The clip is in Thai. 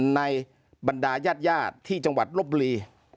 ในบรรดายาทยาดที่จังหวัดโรบบุรี